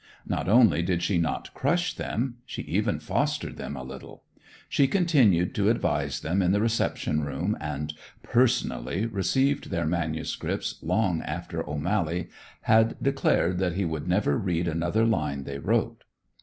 Not only did she not crush them; she even fostered them a little. She continued to advise them in the reception room and "personally" received their manuscripts long after O'Mally had declared that he would never read another line they wrote.